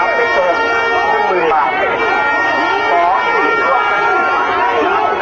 สวัสดีครับ